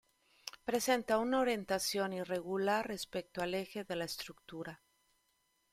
Presenta una orientación irregular respecto al eje de la estructura.